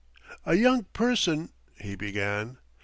"A young person " he began.